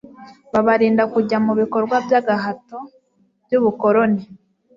babarinda kujya mu bikorwa by'agahato by'ubukoloni